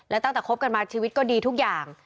และตั้งแต่คบกันมาชีวิตก็ดีทุกอย่าง